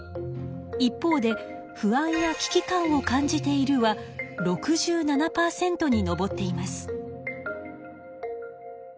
一方で「不安や危機感を感じている」は６７パーセントに上っています。